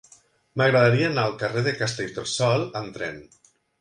M'agradaria anar al carrer de Castellterçol amb tren.